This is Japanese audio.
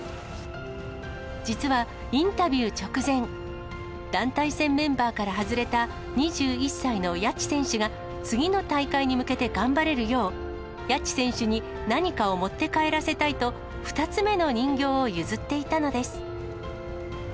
実はインタビュー直前、団体戦メンバーから外れた２１歳の谷地選手が次の大会に向けて頑張れるよう、谷地選手に何かを持って帰らせたいと、２つ目の人形を譲っていたのです。